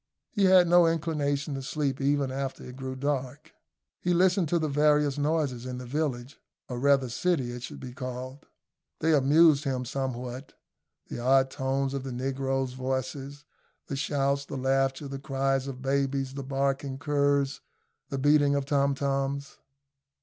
He had no inclination to sleep even after it grew dark. He listened to the various noises in the village, or rather city it should be called. They amused him somewhat the odd tones of the negroes' voices, the shouts, the laughter, the cries of babies, the barking of curs, the beating of tom toms.